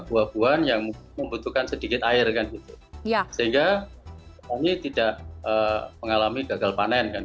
buah buahan yang membutuhkan sedikit air kan gitu sehingga ini tidak mengalami gagal panen